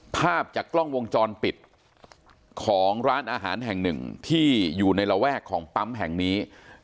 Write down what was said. ภาพจากกล้องวงจรปิดของร้านอาหารแห่งหนึ่งที่อยู่ในระแวกของปั๊มแห่งนี้